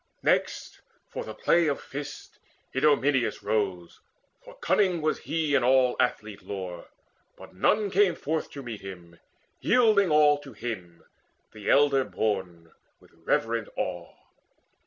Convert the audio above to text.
Next, for the play of fists Idomeneus rose, For cunning was he in all athlete lore; But none came forth to meet him, yielding all To him, the elder born, with reverent awe.